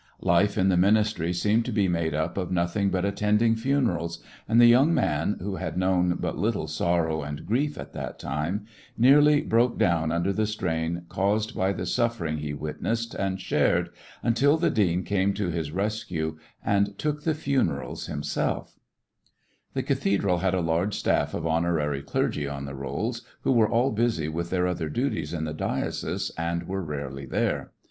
Life in the ministry seemed to be made up of nothing but attending funerals, and the young man, who had known but little sorrow and grief at that time, nearly broke down under the strain caused by the suffering he witnessed and shared, until the dean came to his rescue and took the funerals himself. 3 ^ecoUections of a I was the whole The cathedral had a large staff of honorary clergy on the rolls, who were all busy with their other duties in the diocese and were rarely there.